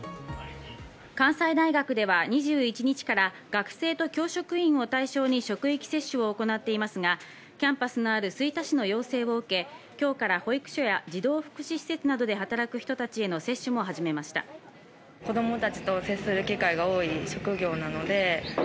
関西大学では２１日から学生と教職員を対象に職域接種を行っていますが、キャンパスのある吹田市の要請を受け、今日から保育所や児童福祉施設などで働く人たちへの接種も始めました。